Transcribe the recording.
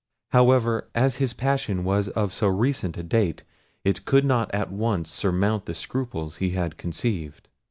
However, as his passion was of so recent a date, it could not at once surmount the scruples he had conceived.